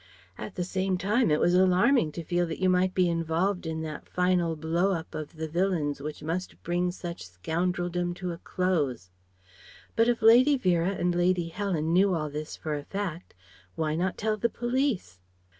At the same time it was alarming to feel that you might be involved in that final blow up of the villains which must bring such scoundreldom to a close. But if Lady Vera and Lady Helen knew all this for a fact, why not tell the Police?